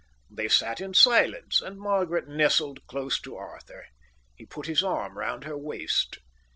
They sat in silence, and Margaret nestled close to Arthur. He put his arm around her waist.